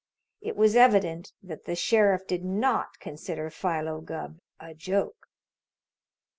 It was evident that the Sheriff did not consider Philo Gubb a joke.